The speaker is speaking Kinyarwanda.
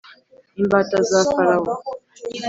imbata za Farawo